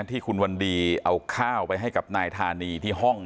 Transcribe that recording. ที่คุณวันดีเอาข้าวไปให้กับนายธานีที่ห้อง